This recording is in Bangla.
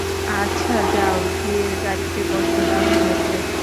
আচ্ছা যাও গিয়ে গাড়ীতে বসো দারুণ হয়েছে।